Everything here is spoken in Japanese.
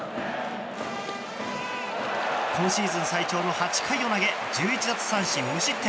今シーズン最長の８回を投げ１１奪三振無失点。